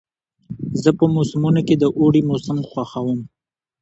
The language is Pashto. زه په موسمونو کې د اوړي موسم خوښوم.